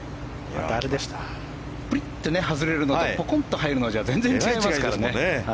プリっと外れるのとポコンと入るのとじゃ全然違いますからね。